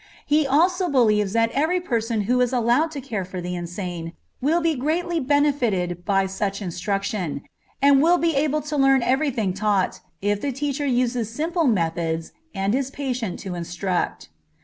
He also believes that every person who is allowed to care for the insane will be greatly benefited by such instruction, and will be able to learn every thing taught, if the teacher uses simple methods and is patient to instruct.